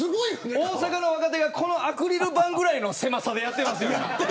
大阪の若手がこのアクリル板ぐらいの狭さでやってるんですよ。